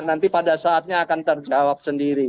nanti pada saatnya akan terjawab sendiri